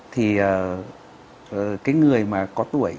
thì cái người mà có tuổi